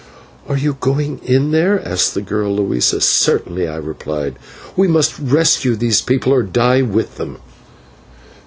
"Are you going in there?" asked the girl Luisa. "Certainly," I replied; "we must rescue those people, or die with them."